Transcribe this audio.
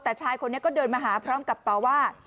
แต่ชายคนนี้ก็เดินมาหาพร้อมกับต่อว่า